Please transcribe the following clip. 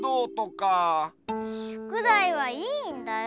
しゅくだいはいいんだよ。